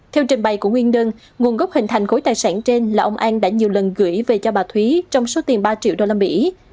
theo trình bày của nguyên đơn nguồn gốc hình thành gối tài sản trên là ông an đã nhiều lần gửi về cho bà thúy trong số tiền ba triệu đô la mỹ